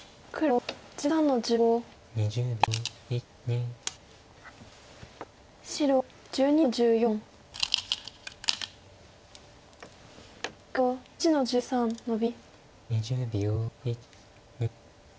黒１４の十五ノビ。